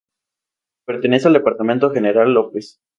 Pertenece al departamento General López.